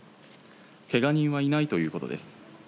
けが人はいないということです。